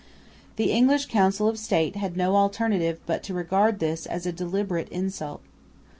The English Council of State had no alternative but to regard this as a deliberate insult.